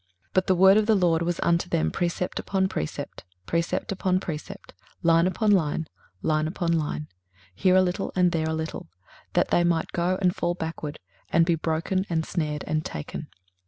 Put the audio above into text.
23:028:013 But the word of the LORD was unto them precept upon precept, precept upon precept; line upon line, line upon line; here a little, and there a little; that they might go, and fall backward, and be broken, and snared, and taken.